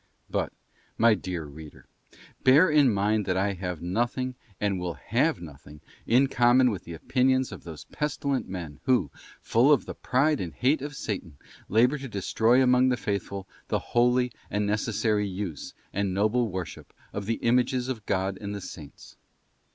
But, my dear Reader, bear in mind that I have nothing, and will have nothing, in common with the opinions of & those pestilent men who, full of the pride and hate of Satan, labour to destroy among the Faithful the holy and necessary use, and noble worship, of the Images of God and the Saints.